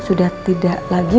sudah tidak lagi